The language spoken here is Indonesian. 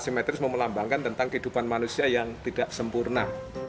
simetris memelambangkan tentang kehidupan manusia yang tidak sempurna